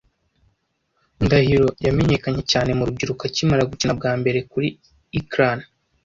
Ndahiro yamenyekanye cyane mu rubyiruko akimara gukina bwa mbere kuri ecran.